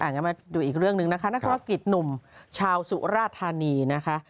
งั้นมาดูอีกเรื่องหนึ่งนะคะนักธุรกิจหนุ่มชาวสุราธานีนะคะ